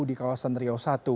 di kawasan riau satu